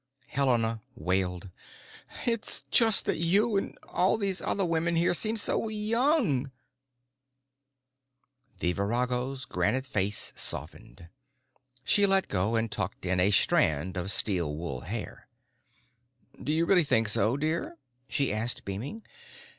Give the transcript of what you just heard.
Helena wailed, "It's just that you and all these other women here seem so young." The virago's granite face softened. She let go and tucked in a strand of steel wool hair. "Did you really think so, dear?" she asked, beaming.